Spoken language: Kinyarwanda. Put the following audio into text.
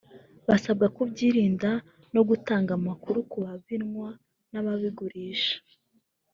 basabwa kubyirinda no gutanga amakuru ku babinywa n’ababigurisha